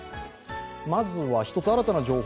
まずは、１つ新たな情報。